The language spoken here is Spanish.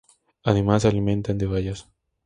Además se alimentan de bayas.